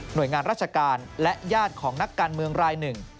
โดยงานราชการและญาติของนักการเมืองรายหนึ่ง